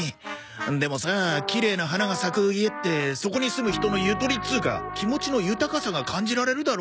でもさあきれいな花が咲く家ってそこに住む人のゆとりっつうか気持ちの豊かさが感じられるだろ？